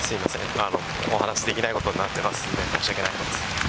今、お話しできないことになってますんで、申し訳ないです。